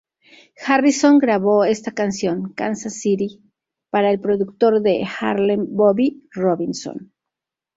Harrison grabó esta canción "Kansas City" para el productor de Harlem Bobby Robinson.